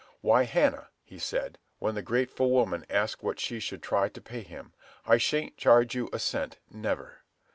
"Why, Hannah," he said, when the grateful woman asked what she should try to pay him, "I shan't charge you a cent; never."